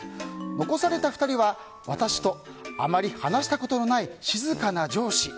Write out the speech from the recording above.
残された２人は私と、あまり話したことのない静かな上司。